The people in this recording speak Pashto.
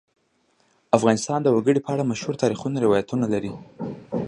افغانستان د وګړي په اړه مشهور تاریخی روایتونه لري.